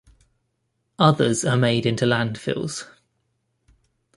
Others are made into landfills.